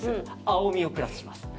青みをプラスします。